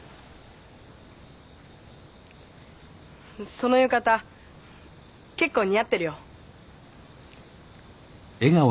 その浴衣結構似合ってるよ。